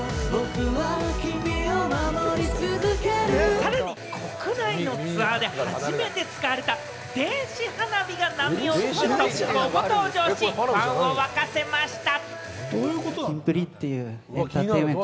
さらに国内のツアーで初めて使われた電子花火が波を打つ特効も登場し、ファンを沸かせました。